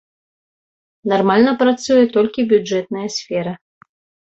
Нармальна працуе толькі бюджэтная сфера.